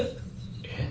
えっ？